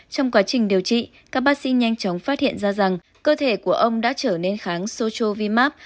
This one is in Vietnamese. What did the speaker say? trong quá trình điều trị các bác sĩ nhanh chóng phát hiện ra rằng cơ thể của ông đã trở nên kháng sochovimax